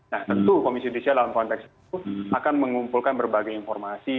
nah tentu komisi judisial dalam konteks itu akan mengumpulkan berbagai informasi